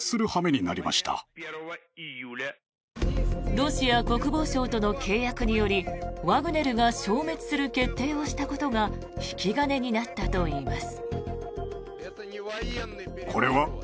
ロシア国防省との契約によりワグネルが消滅する決定をしたことが引き金になったといいます。